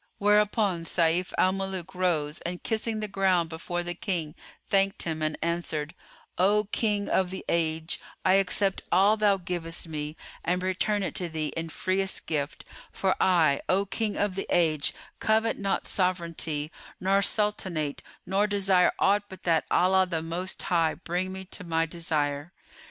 Whereupon Sayf al Muluk rose and kissing the ground before the King, thanked him and answered, "O King of the Age, I accept all thou givest me and return it to thee in freest gift; for I, O King of the Age, covet not sovranty nor sultanate nor desire aught but that Allah the Most High bring me to my desire."